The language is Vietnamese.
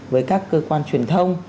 với các cơ quan truyền thông